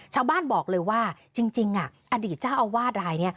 ชาวบ้านบอกเลยว่าจริงอดีตเจ้าอาวาสรายนี้